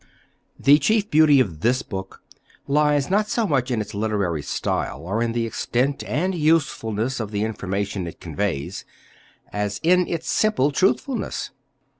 The chief beauty of this book lies not so much in its literary style, or in the extent and usefulness of the information it conveys, as in its simple truthfulness.